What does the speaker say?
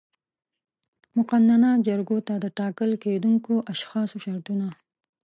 مقننه جرګو ته د ټاکل کېدونکو اشخاصو شرطونه